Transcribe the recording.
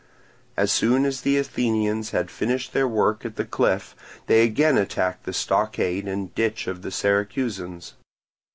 As soon as the Athenians had finished their work at the cliff they again attacked the stockade and ditch of the Syracusans.